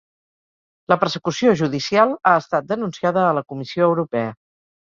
La persecució judicial ha estat denunciada a la Comissió Europea